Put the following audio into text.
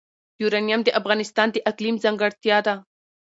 یورانیم د افغانستان د اقلیم ځانګړتیا ده.